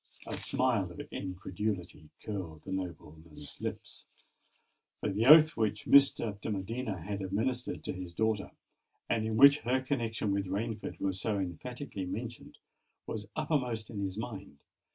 A smile of incredulity curled the nobleman's lip—for the oath which Mr. de Medina had administered to his daughter, and in which her connexion with Rainford was so emphatically mentioned, was uppermost in his mind.